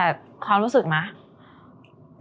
เป็นความรู้สึกไหม